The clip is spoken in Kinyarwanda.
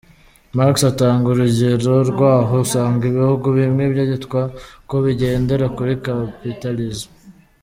Marx atanga urugero rw’aho usanga ibihugu bimwe byitwa ko bigendera kuri Capitalism .